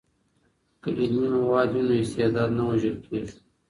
که علمي مواد وي نو استعداد نه وژل کیږي.